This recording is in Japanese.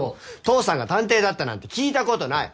父さんが探偵だったなんて聞いたことない。